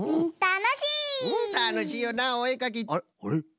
たのしいよなおえかき。